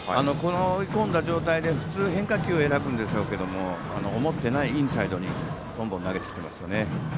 追い込んだ状態で普通、変化球を選ぶんでしょうけれども思っていないインサイドにどんどん投げてきますね。